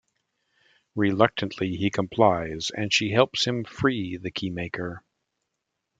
Reluctantly, he complies and she helps him free the Keymaker.